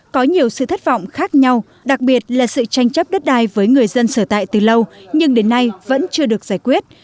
có nhiều sự thất vọng khác nhau đặc biệt là sự tranh chấp đất đai với người dân sở tại từ lâu nhưng đến nay vẫn chưa được giải quyết